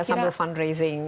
ya sambil fundraising